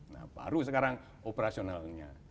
nah baru sekarang operasionalnya